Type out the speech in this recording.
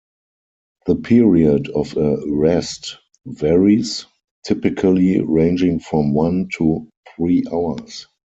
The period of a "rest" varies, typically ranging from one to three hours.